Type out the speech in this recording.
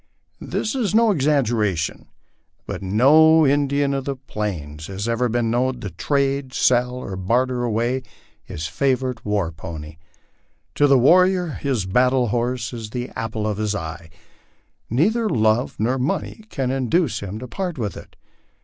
This is no exaggeration ; but no Indian of the plains has ever been known to trade, sell, or barter away his favorite " war pony." To the warrior his battle horse is as the apple of his eye. Neither love nor money can induce him to part with it.